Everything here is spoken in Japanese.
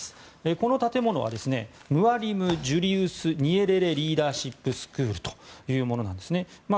この建物はムワリム・ジュリウス・ニエレレ・リーダーシップスクールというものなんですね。